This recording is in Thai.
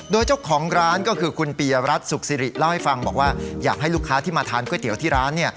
ซึ่งคุณปิ๋ยะรัทธ์สุขศิริบอกว่าอยากให้ลูกค้าที่มาทานก้วยเตี๋ยวที่ร้าน